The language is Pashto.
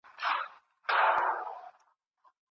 ټولنه بايد د پرمختګ پر وړاندې خنډونه لرې کړي.